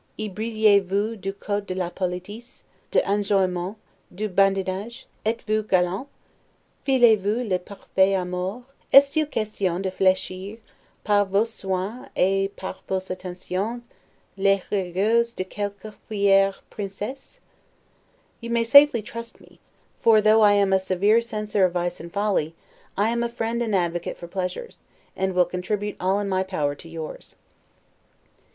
y brillez vous du cote de la politesse, de d'enjouement, du badinage? Etes vous galant? Filex vous le parfait amour? Est il question de flechir par vos soins et par vos attentions les rigueurs de quelque fiere Princesse'? You may safely trust me; for though I am a severe censor of vice and folly, I am a friend and advocate for pleasures, and will contribute all in my power to yours.